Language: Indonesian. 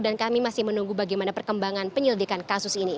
dan kami masih menunggu bagaimana perkembangan penyelidikan kasus ini